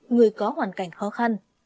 người có hoàn cảnh khó khăn